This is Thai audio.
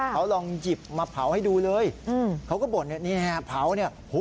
เขาลองหยิบมาเผาให้ดูเลยเขาก็บ่นเนี่ยเผาเนี่ย